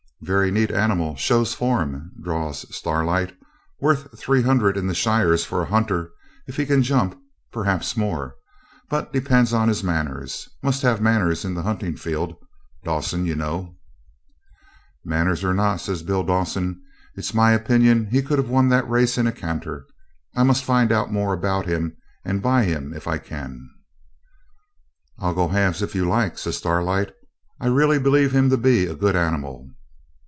'Very neat animal, shows form,' drawls Starlight. 'Worth three hundred in the shires for a hunter; if he can jump, perhaps more; but depends on his manners must have manners in the hunting field, Dawson, you know.' 'Manners or not,' says Bill Dawson, 'it's my opinion he could have won that race in a canter. I must find out more about him and buy him if I can.' 'I'll go you halves if you like,' says Starlight. 'I weally believe him to be a good animal.'